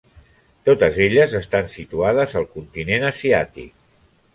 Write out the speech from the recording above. Totes elles estan situades al continent asiàtic.